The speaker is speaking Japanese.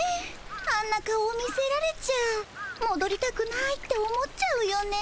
あんな顔を見せられちゃもどりたくないって思っちゃうよね。